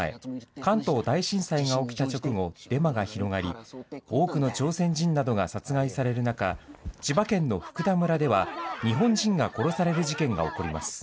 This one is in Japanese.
関東大震災が起きた直後、デマが広がり、多くの朝鮮人などが殺害される中、千葉県の福田村では、日本人が殺される事件が起こります。